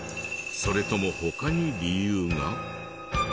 それとも他に理由が？